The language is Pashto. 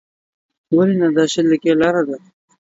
ولې نه، دا شل دقیقې لاره ده.